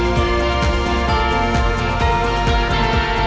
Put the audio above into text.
sudah memberengan dan dikonsentrasi